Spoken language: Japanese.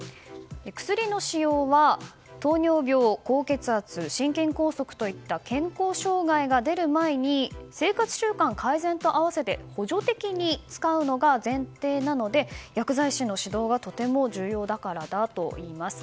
薬の使用は糖尿病、高血圧心筋梗塞といった健康障害が出る前に生活習慣改善と合わせて補助的に使うのが前提なので薬剤師の指導がとても重要だからだといいます。